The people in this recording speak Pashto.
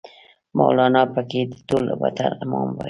مولانا پکې د ټول وطن امام وای